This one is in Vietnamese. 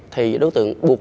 thì đối tượng buộc phải